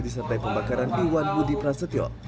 disertai pembakaran iwan budi prasetyo